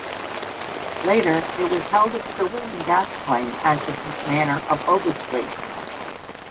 Later it was held of Sir William Gascoigne as of his manor of Oversley.